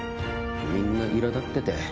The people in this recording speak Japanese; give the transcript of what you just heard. みんな、いら立ってて。